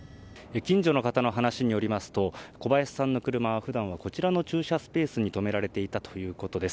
近所の方の話によりますと小林さんの車は普段はこちらの駐車スペースに止められていたということです。